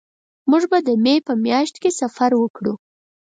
مونږ به د مې په میاشت کې سفر وکړو